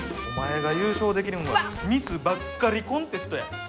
お前が優勝できるんはミスばっかりコンテストや。